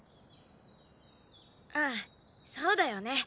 うんそうだよね。